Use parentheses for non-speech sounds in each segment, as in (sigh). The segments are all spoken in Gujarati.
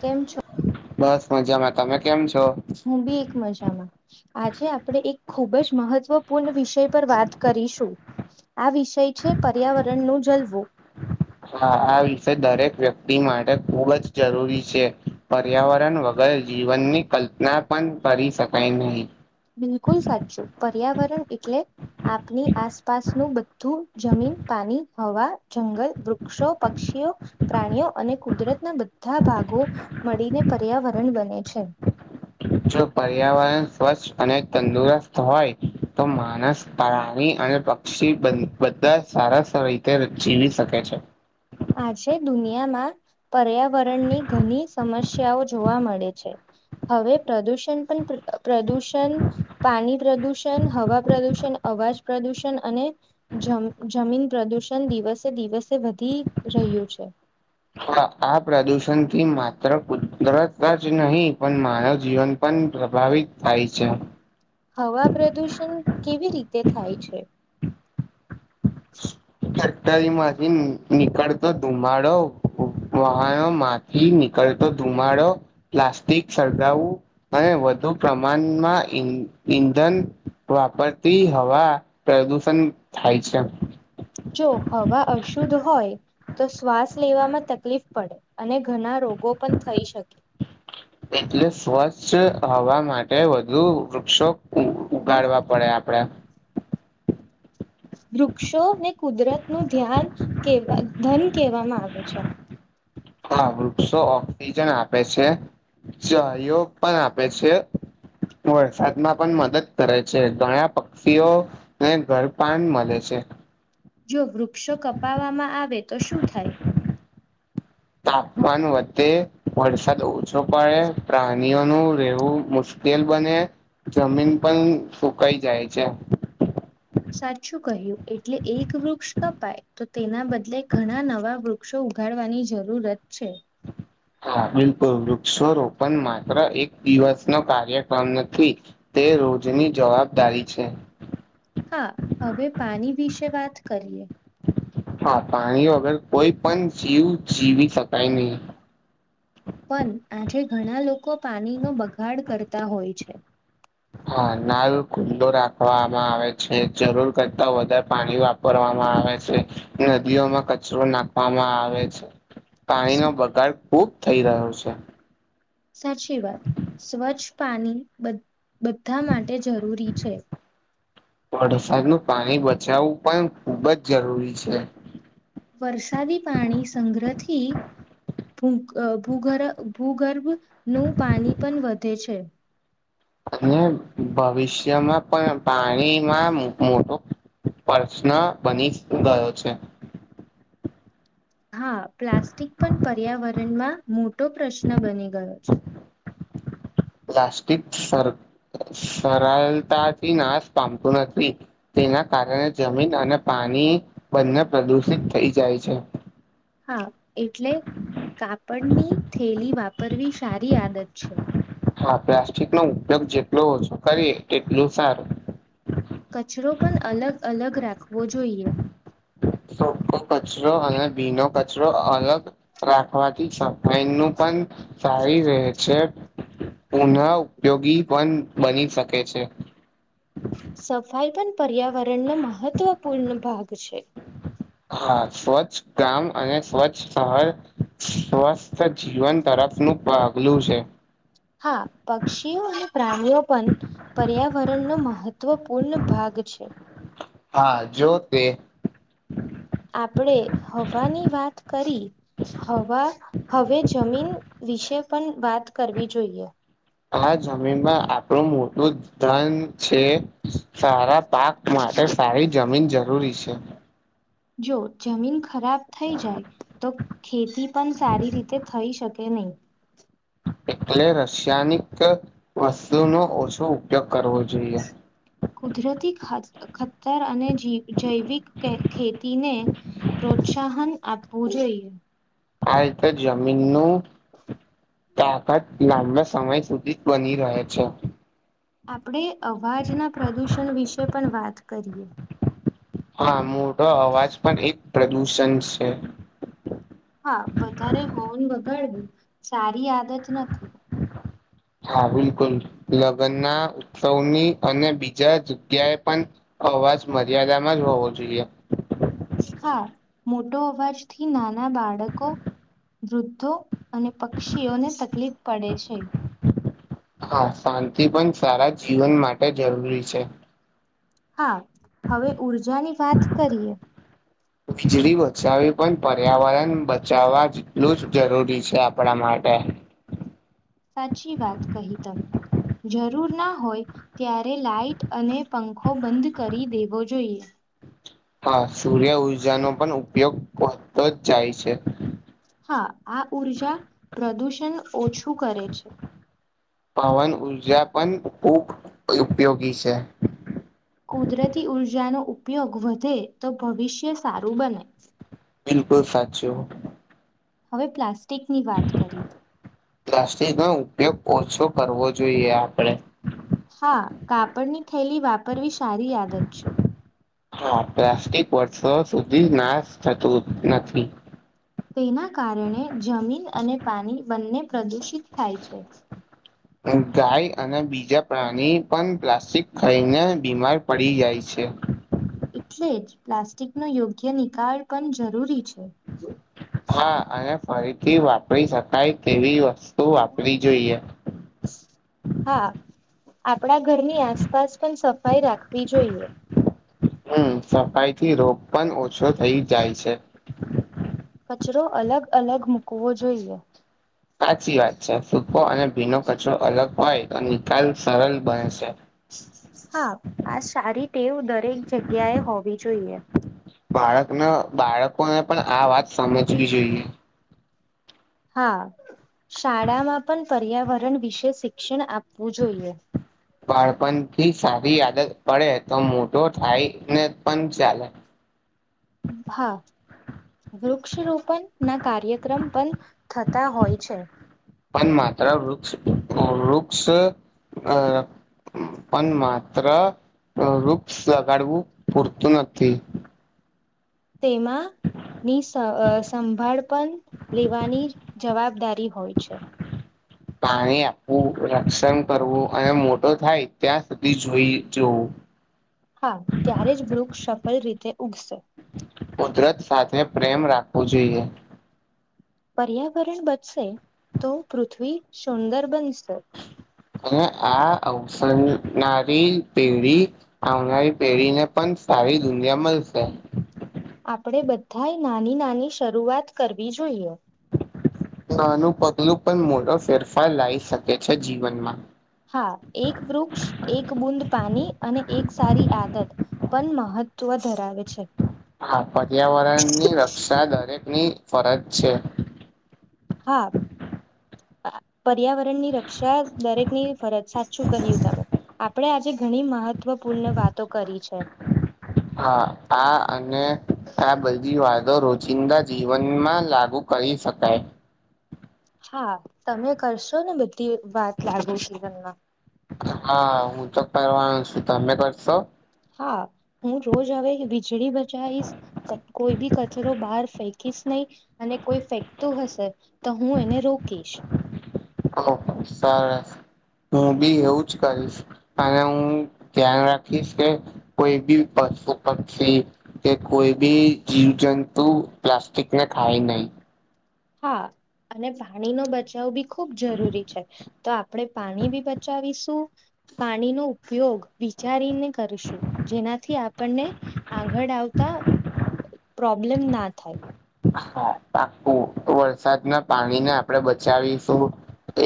કેમ છો. બસ મજામાં તમે કેમ છો. હુ, બી એક મજામાં આજે આપડણે એક ખૂબજ મહત્વપૂર્ણ વિષ વિષય પર વાત કરીશું આ વિષય છે, પર્યાવરણ ન જલવું હા, આ વિષય દરેક વ્યક્તિ માટે ખુબ જ જરૂરી છે. પર્યાવરણ વગર જીવનની કલ્પના પણ કરી શકાય નહી. બિલકુલ સાચુ, પર્યાવરણ એટલે આપની આસપાસનું બધું જમીન પાણી હવા, જંગલ વૃક્ષો પક્ષી પી પ્રાણીઓ, અને કુદરતના બધા ભાગો મળીને પર્યાવરણ બને છે. જો પર્યાવરણ સ્વચ્છ, અને તંદુરસ્ત હોય તો માણસ તાવ અને પક્ષી બધા સારા રીતે જીવી શકે છે. આજે દુનિયામા પર્યાવરણની ઘણી સમસ્યા જોવા મળે છે. હવે, પ્રદુષણ પણ પ્રદુષણ પાણી પ્રદુષણ હવા પ્રદુષણ અવાજ પ્રદુષણ, અને જમ જમીન પ્રદૂષણ દિવસે દિવસે વધી રહ્યું છે. હા, આ પ્રદુષણ થી માત્ર કુદરત જ નહીં, પણ માનવ જીવન પણ પ્રભાવિત થાય છે. હવા પ્રદૂષણ કેવી રીતે થાય છે. ફેક્ટરીમાંછ, નીકળતો ધુમાડો વાહનો, માંથી નીકળતો ધુમાડો પ્લાસ્ટિક સળગાવવું અને વધુ પ્રમાણમાં ઈંધન વાપરતી હવા, પ્રદુષણ થાય છે. જો હવા અશુદ્ધ હોય, તો શ્વાસ લેવામાં તકલીફ પડે અને ઘણા રોગો. ગોપન થઈ, શકે છ, હવા માટે વધુ વૃક્ષો. ઉગાડવા પડે આપડે વૃક્ષોને કુદરતનુ ધ્યાન કે ધન કહેવામાં આવે છે. હા, વૃક્ષો ઓક્સિજન આપે છે. ચઓ પણ આપે છે. વરસાદમાં પણ મદદ કરે છે, ઘણા પક્ષીઓને ઘરપાન મળે છે. હ જો વૃક્ષો કપાવામાં આવે, તો શું થાય તાપમાન વધે વરસાદ ઓછો, પડે પ્રાણીઓનું રહેવું મુશ્કેલ તેલ બને જમીન પણ સુકાઈ જાય છે. સાચું કહ્યું, એટલે એક વૃક્ષ કપાય તો તેના બદલે ઘણા નવા વૃક્ષો, ઉઘા વગાડવાની જરૂરત છે. હમ બિલકુલ વૃક્ષ, રોપણ માત્ર એક દિવસ નો કાર્યક્રમ નથી તે જની જવાબદારી છે હા હવે પાણી વિશે વાત કરીએ હા પાણી વગર કોઈ પણ જીવ જીવી શકાય નહી. પણ આજે ઘણા લોકો પાણીનો બગાડ કરતા હોય છે હા નાલ ખુલ્લો રાખવામાં આવે છે જરૂર કરતા વધારે પાણી વાપરવામાં આવે છે નદીઓમાં કચરો નાખવામાં આવે છે. પાણીનો શું- બગાડ ખૂબ થઈ રહ્યો છે. સાચી વાત સ્વચ્છ પાણી બધા માટે જરૂરી છે વરસાદનું પાણી બચાવવું પણ ખુબ જ જરૂરી છે. વરસાદી પાણી સંગ્રહ થી ભૂ ભૂગર્ ભૂગર્ભનું પાણી પણ વધે છે. અને ભવિષ્યમાં પણ પાણીમાં મોટું પ્રશ્ન બની ગયો છે હા. પ્લાસ્ટિક પણ પર્યાવરણમાં મોટો પ્રશ્ન બની ગયો છે. પ્લાસ્ટિક સર સરરલતાથી નાસ પામતું નથી. એના કારણે જમીન અને પાણી બંને પ્રદુષિત થઈ જાય છે. હા એટલે કાપડની થેલી વાપરવી સારી આદત છે. હા પ્લાસ્ટિક નો ઉપયોગ જેટલો ઓછો કરીએ તેટલું સારું કચરો પણ અલગ અલગ રાખવો જોઈએ. સૂકો કચરો અને ભીનો કચરો અલગ રાખવાથી એનું પણ સારી રહે છે. પુનઃઉપયોગી પણ બની શકે છે. સફાઈ પણ પર્યાવરણનો મહત્વપૂર્ણ ભાગ છે. હા સ્વચ્છ ગામ અને સ્વચ્છ શહર સ્વસ્થ જીવન તરફ નું પગલું છે. હા પક્ષીઓ અને પ્રાણીઓ પણ પર્યાવરણનો મહત્વપૂર્ણ ભાગ છે. હા જો તે આપણેે હવાની વાત કરી હવા હવે જમીન વિશે પણ વાત કરવી જોઈએ. આ જમીનમાં આપણું મોટું ધન છે. સારા પાક માટે સારી જમીન જરૂરી છે. જો જમીન ખરાબ થઈ જાય તો ખેતી પણ સારી રીતે થઈ શકે નહી. (unintelligible) રસાયણિક વસ્તુનો ઓછો ઉપયોગ કરવો જોઈએ. કુદરતી ખા ખતર અને જેવી જૈવિક ખેતીને પ્રો પ્રોત્સાહન આપવું જોઈએ. આ રીતે જમીનનુ તાકાત લાંબા સમય સુધી બની રહે છે. આપણે અવાજના પ્રદુષણ વિશે પણ વાત કરીએ. હા મોટો અવાજ પણ એક પ્રદુષણ છે. હા વધારે હોર્ન વગાડવું સારી આદત નથી. હા બિલકુલ લગ્નના ઉત્સવની અને બીજા જગ્યાએ પણ અવાજ મર્યાદામાં જ હોવો જોઈએ. હા મોટો અવાજથી નાના બાળકો વૃદ્ધો અને પક્ષીઓને તકલીફ પડે છે. હા શાંતિ પણ સારા જીવન માટે જરૂરી છે. હા હવે ઊર્જાની વાત કરીએ. વીજળી બચાવી પણ પર્યાવરણ બચાવવા જેટલું જ જરૂરી છે, આપણા માટે સાચી વાત કહી, તમે જરૂરના હોય, ત્યારે લાાઈટ અને પંખો બંધ કરી દેવો જોઈએ હા, સૂર્ય ઉર્જાનો પણ ઉપયોગ વધતો જ જાય છે. હા, આ ઊર્જા પ્રદૂષણ ઓછું કરે છે. પવન ઊર્જા, પણ ખૂબ ઉપયોગી છે. કુદરતી ઊર્જાનો, ઉપયોગ વધે તો ભવિષ્ય સારું બને બિલકુલ સાચું હવે, પ્લાસ્ટિકની વાત કરીએ પ્લાસ્ટિકનો ઉપયોગ ઓછું કરવો જોઈએ, આપડણે હા, કાપડની થેલી વાપરવી સારી આદ છે. હા, પ્લાસ્ટિક વર્ષો સુધી નાશ થતું, નથી. તેના કારણે જમીન, અને પાણી બંને પ્રદૂષિત થાય છે. ગાય અને બીજા પ્રાણી પણ પ્લાસ્ટિક ખાઈને બીમાર પડી જાય છે. જ એટલે જ પ્લાસ્ટિક નો યોગ્ય નિકાલ પણ જરૂરી છે. હા, અને ફરીથી વાપરી શકાય, તેવી વસ્તુ તો વાપરી જોઈએ હા આપણા ઘરની આસપાસ પણ સફાઈ રાખવી જોઈએ. હમ, સફાઈ થી રોગ પણ ઓછો થઈ, જાય છે. કચરો અલગ, અલગ મૂકવો જોઈએ સાચી વાત છે, સૂકો અને ભીનો કચરો અલગ હોય, તો નિકાલ સરળ બને છે. હા, આ સારી ટેવ, દરેક જગ્યાએ હોવી, જોઈએ બાળકને, બાળકોને પણ આ વાત સમજવી જોઈએ. હા. શાળામાં પણ પર્યાવરણ વિશે શિક્ષણ આપવું જોઈએ. બાળપણ થી સારી આદત પડે તો મોટો થાય ને પણ ચાલે હા, વૃક્ષ રપ ના કાર્યક્રમ પણ થતા, હોય છે. પણ માત્ર વૃક્ષ વૃક્ષ અ પણ માત્ર વૃક્ષ લગાડવું પૂરતું નથી. તેેમાં ની સંભાળ પણ લેવાની જવાબદારી હોય છે. (inaudible) પાણી આપવું રક્ષણ કરવું અને મોટો થાય, ત્યાં સુધી જોઈ જોવું હા, ત્યારે જ વૃક્ષ સફળલ રીતે, ઉગશે કુદરત સાથે, પ્રેમ રાખવું જોઈએ પર્યાવરણ બચશે, તો પૃથ્વી સુંદર બનશે. અને આ અવસરનારી પેઢી આવનારી પેઢીને પણ સારી દુનિયા માં (unintelligible) આપડે બધા નાની નાની શરૂઆત, કરવી જોઈએ આનું પગલું પણ મોડો ફેરફાર લાવ શકે છે, જીવનમા હા એક વૃક્ષ, એક બૂદ પાણી અને એક સારી આદત પણ મહત્વ ધરાવે છે. હા, પર્યાવરણની રક્ષા, દરેકની ફરજ છે. હા પર્યાવરણની રક્ષા દરેકની ફરજ સાચુ કહ્યુ, ત આપડણે આજે ઘણી મહત્વ પૂર્ણ વાતો કરી છે. હા, આ અને વાદો રોજિંદા જીવનમા, લાગુ કરી શકાય હા તમે કરશો ને બધી વાત લાગે સિઝનમાં (unintelligible) ચક્કરનું છું (unintelligible) તમે કરશો? હા હું રોજ હવે વીજળી બચાવીશ, કોઈ બી કચરો બહાર ફેંકીશ ને અને કોઈ ફેંકતું હશે તો હું એને રોકીશ. ઓ (unintelligible) સરસ હું બી એવું જ કરીશ અને હું ધ્યાન રાખીશ કે કોઈ બી પશુ પક્ષી કે કોઈ બી જીવજંતુ પ્લાસ્ટિકને ખાય નહીં. હા અને પાણી નો બચાવ બી ખુબ જરૂરી છે તો આપણેે પાણી બી બચાવીશું પાણીનો ઉપયોગ વિચારીને કરશું. જેનાથી આપણને આગળ આવતા પ્રોબ્લેમ ના થાય હા પાકું! તો વરસાદ ના પાણી ને આપણે બચાવીશું.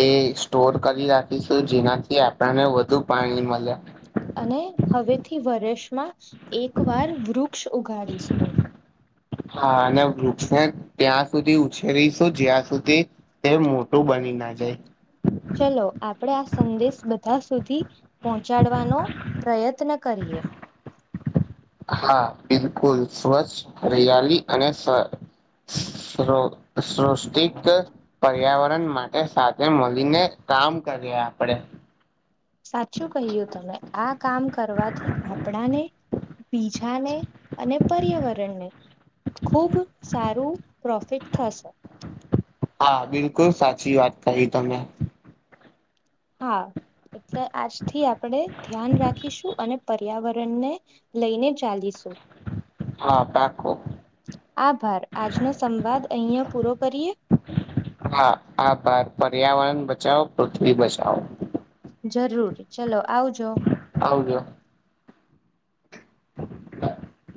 એ સ્ટોર કરી રાખીશું, જેનાથી આપણને વધુ પાણી મળ્યા અને હવેથી વર્ષમાં એક વાર વૃક્ષ ઉગાડીશ હું. હા અને વૃક્ષે ત્યાં સુધી ઉછેરી શું જ્યાં સુધી તે મોટું બની ના જાય. ચલો આપડે આ સંદેશ બધા સુધી પહોંચાડવાનો પ્રયત્ન કરીએ. (inaudible) હા બિલકુલ સ્વચ્છ હરીયાલી અને સૃષ્ટિક પર્યાવ માટે સાથે મલીને કામ કરીએ આપડે. સાચું કહ્યું તમે આ કામ કરવાથી આપણાને બીજાને અને પર્યાવરણને ખુબ સારું પ્રોફિટ થશે. હા, બિલકુલ સાચી વાત કહી તમે. હા એટલે આજથી આપણેે ધ્યાન રાખીશું. અને પર્યાવરણ ને લઈને ચાલીશું. હા પાકું. આભાર આજનો સંવાદ અહીંયા પૂરો કરીએ? હા આભાર. પર્યાવરણ બચાવો પૃથ્વી બચાવો. જરૂર. ચલો આવજો. આવજો (inaudible)